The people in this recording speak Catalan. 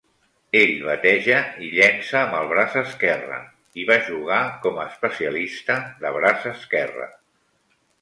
Ell bateja i llença amb el braç esquerre i va jugar com a especialista de braç esquerre.